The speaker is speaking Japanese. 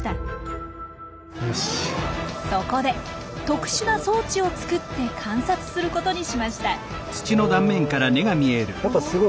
そこで特殊な装置を作って観察することにしました。